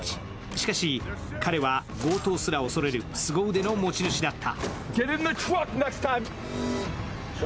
しかし、彼は強盗すら恐れるすご腕の持ち主だった。